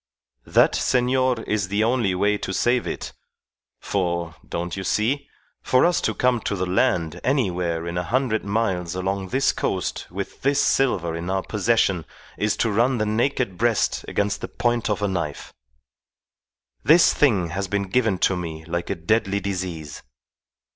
That, senor, is the only way to save it; for, don't you see? for us to come to the land anywhere in a hundred miles along this coast with this silver in our possession is to run the naked breast against the point of a knife. This thing has been given to me like a deadly disease.